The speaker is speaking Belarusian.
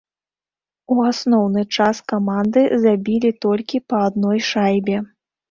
У асноўны час каманды забілі толькі па адной шайбе.